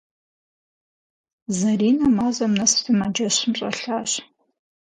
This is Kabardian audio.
Зэринэ мазэм нэс сымаджэщым щӏэлъащ.